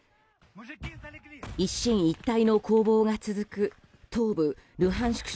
一進一退の攻防が続く東部ルハンシク